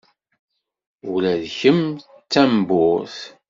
Ula d kemm d tamburt?